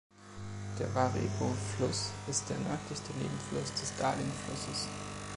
Der Warrego-Fluss ist der nördlichste Nebenfluss des Darling-Flusses.